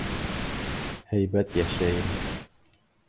Һәйбәт йәшәйем.